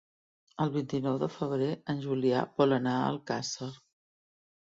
El vint-i-nou de febrer en Julià vol anar a Alcàsser.